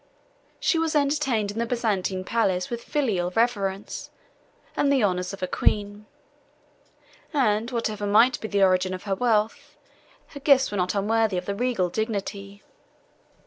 She was entertained in the Byzantine palace with filial reverence, and the honors of a queen; and whatever might be the origin of her wealth, her gifts were not unworthy of the regal dignity.